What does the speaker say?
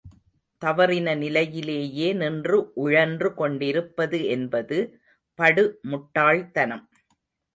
தவறின நிலையிலேயே நின்று உழன்று கொண்டிருப்பது என்பது படு முட்டாள் தனம்.